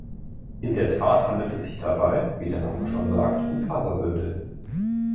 In der Tat handelt es sich dabei, wie der Name schon sagt, um Faserbündel.